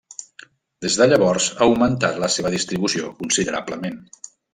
Des de llavors ha augmentat la seva distribució considerablement.